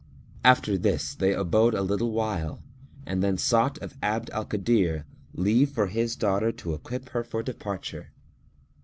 After this, they abode a little while and then sought of Abd al Kadir leave for his daughter to equip her for departure.